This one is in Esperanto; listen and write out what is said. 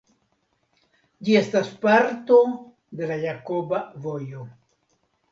Ĝi estas parto de la Jakoba Vojo.